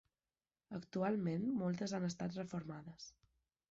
Actualment moltes han estat reformades.